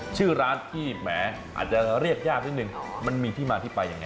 ชื่อร้านที่แหมอาจจะเรียกยากนิดนึงมันมีที่มาที่ไปยังไง